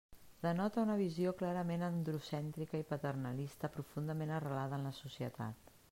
Denota una visió clarament androcèntrica i paternalista profundament arrelada en la societat.